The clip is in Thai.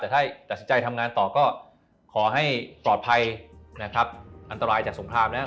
แต่ถ้าตัดสินใจทำงานต่อก็ขอให้ปลอดภัยนะครับอันตรายจากสงครามนะครับ